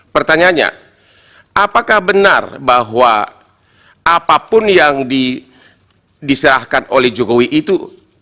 pertanyaannya apakah benar bahwa apapun yang diserahkan oleh jokowi itu